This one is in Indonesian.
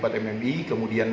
kemudian dirasakan juga